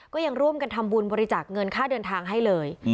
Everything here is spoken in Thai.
ก็ยังร่วมกันทำบุญบริจาคเงินค่าเดินทางให้เลย